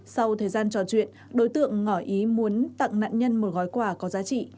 sau thời gian trò chuyện đối tượng ngỏ ý muốn tặng nạn nhân một gói quà có giá trị